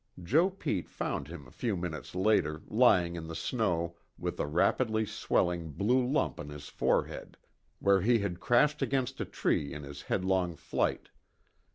Joe Pete found him a few minutes later, lying in the snow with a rapidly swelling blue lump on his forehead where he had crashed against a tree in his headlong flight.